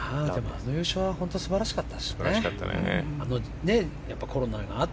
あの優勝は本当に素晴らしかったですよね。